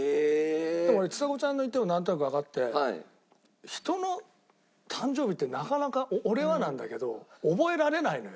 でも俺ちさ子ちゃんの言ってる事なんとなくわかって人の誕生日ってなかなか俺はなんだけど覚えられないのよ。